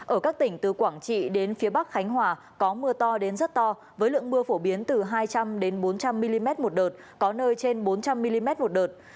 ở các tỉnh từ quảng trị đến phía bắc khánh hòa có mưa to đến rất to với lượng mưa phổ biến từ hai trăm linh bốn trăm linh mm một đợt có nơi trên bốn trăm linh mm một đợt